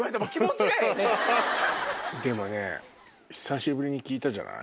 でも久しぶりに聴いたじゃない？